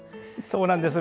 そうなんです。